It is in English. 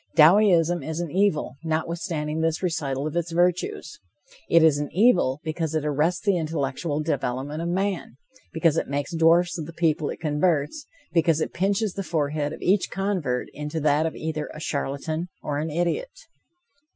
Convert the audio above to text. Dowieism is an evil, notwithstanding this recital of its virtues. It is an evil, because it arrests the intellectual development of man, because it makes dwarfs of the people it converts, because it pinches the forehead of each convert into that of either a charlatan or an idiot.